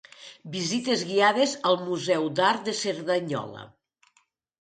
Visites guiades al Museu d'Art de Cerdanyola.